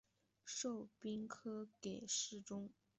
授兵科给事中。